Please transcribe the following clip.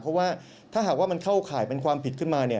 เพราะว่าถ้าหากว่ามันเข้าข่ายเป็นความผิดขึ้นมาเนี่ย